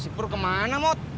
syukur ke mana mot